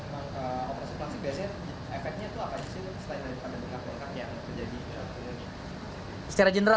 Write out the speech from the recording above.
kalau operasi plastik biasanya efeknya tuh apa sih setelah ini pada mengaku